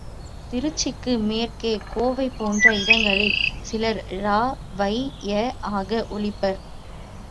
திருச்சிக்கு மேற்கே கோவை போன்ற இடங்களில் சிலர்— ழ வை ய ஆக ஒலிப்பர்.